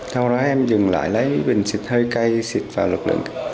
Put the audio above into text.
sau đó em dừng lại lấy bình xịt hơi cay xịt vào lực lượng